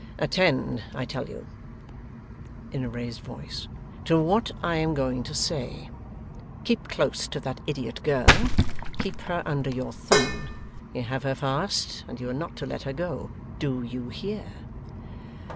'Attend, I tell you,' (in a raised voice) 'to what I am going to say. Keep close to that idiot girl. Keep her under your thumb. You have her fast, and you are not to let her go. Do you hear?